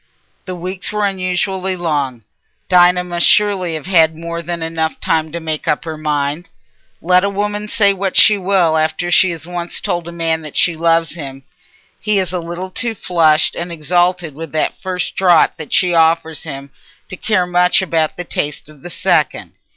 The weeks were unusually long: Dinah must surely have had more than enough time to make up her mind. Let a woman say what she will after she has once told a man that she loves him, he is a little too flushed and exalted with that first draught she offers him to care much about the taste of the second.